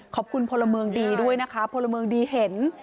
พลเมืองดีด้วยนะคะพลเมืองดีเห็น